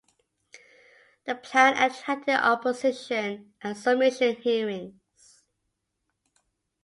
The plan attracted opposition at submission hearings.